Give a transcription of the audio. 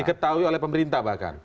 ketahui oleh pemerintah bahkan